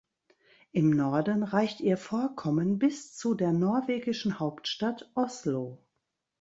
Im Norden reicht ihr Vorkommen bis zu der norwegischen Hauptstadt Oslo.